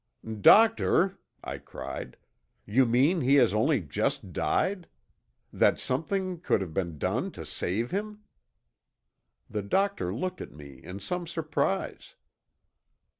"Doctor!" I cried. "You mean he has only just died? That something could have been done to save him?" The doctor looked at me in some surprise.